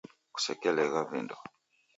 Kusekelegha vindo.